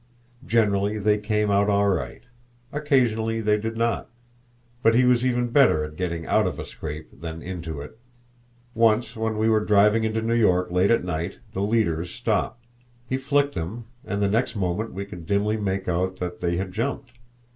Generally they came out all right. Occasionally they did not; but he was even better at getting out of a scrape than into it. Once when we were driving into New York late at night the leaders stopped. He flicked them, and the next moment we could dimly make out that they had jumped.